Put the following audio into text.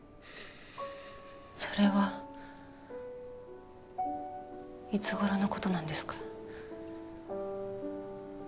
それはいつごろのことなんですか？